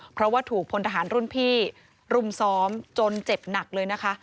เพราะว่าถูกพลทหารรุ่นพี่รุมซ้อมจนเจ็บหนักเลยนะคะ